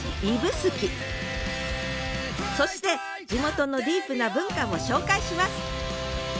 そして地元のディープな文化も紹介します！